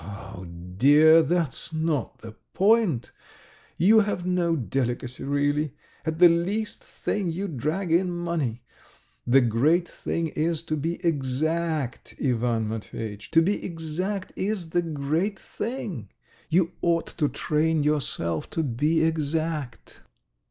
"Oh dear, that's not the point. You have no delicacy, really. ... At the least thing you drag in money. The great thing is to be exact, Ivan Matveyitch, to be exact is the great thing. You ought to train yourself to be exact."